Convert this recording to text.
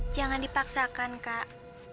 jangan dipaksakan kak